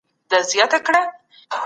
تېره سوې ډزهار سو